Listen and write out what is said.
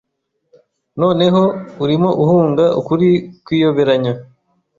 Noneho, urimo uhunga ukuri kwiyoberanya